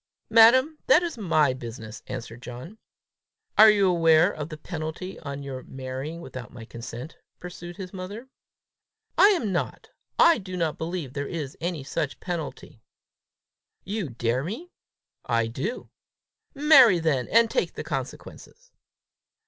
"Madam, that is my business," answered John. "Are you aware of the penalty on your marrying without my consent?" pursued his mother. "I am not. I do not believe there is any such penalty." "You dare me?" "I do." "Marry, then, and take the consequences."